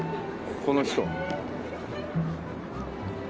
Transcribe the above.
この人。